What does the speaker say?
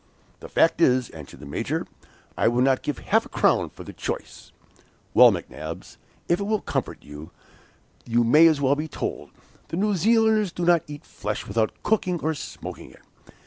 "The fact is," answered the Major, "I would not give half a crown for the choice!" "Well, McNabbs, if it will comfort you you may as well be told the New Zealanders do not eat flesh without cooking or smoking it.